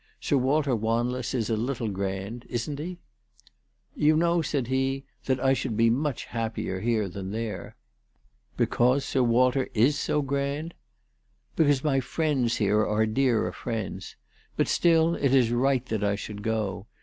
Sir Walter Wanless is a little grand ; isn't he ?" "You know," said he, " that I should be much hap pier here than there." " Because Sir Walter is so grand ?"" Because my friends here are dearer friends. But still it is right that I should go.